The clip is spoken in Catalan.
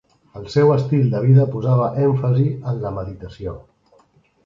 El seu estil de vida posava èmfasi en la meditació.